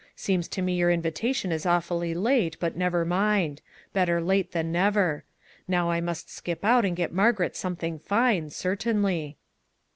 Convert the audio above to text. Seems to me your invitation is awfully late, but never mind; better late than never. Now I must skip out and get Margaret something fine, certainly."